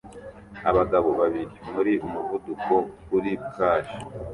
Abagabo babiri muri umuvuduko kuri plage